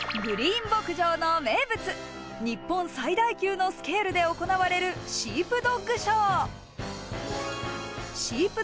グリーン牧場の名物・日本最大級のスケールで行われるシープドッグショー。